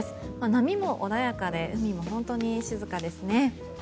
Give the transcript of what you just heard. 波も穏やかで海も本当に静かですね。